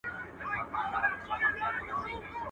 موسیقي د انسان روح اراموي